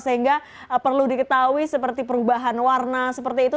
sehingga perlu diketahui seperti perubahan warna seperti itu